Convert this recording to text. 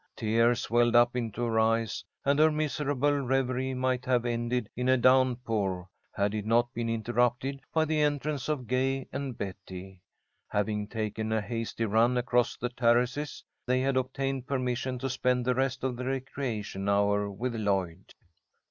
Tears welled up into her eyes, and her miserable reverie might have ended in a downpour had it not been interrupted by the entrance of Gay and Betty. Having taken a hasty run across the terraces, they had obtained permission to spend the rest of the recreation hour with Lloyd.